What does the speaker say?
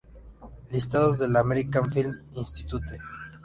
Listados del American Film Institute